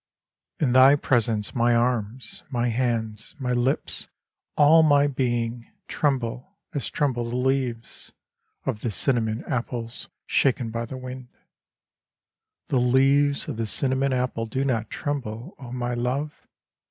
IN thy presence my arms, my hands, my h'ps, all my being, Tremble as tremble the leaves Of the cinnamon^apples shaken by the wind. —The leaves of the cinnamon apple do not tremble, O my love.